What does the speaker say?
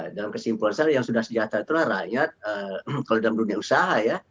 dalam kesimpulan saya yang sudah sejahtera itulah rakyat kalau dalam dunia usaha ya